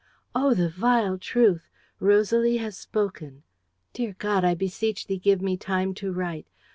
Oh, the vile truth! Rosalie has spoken. Dear God, I beseech Thee, give me time to write.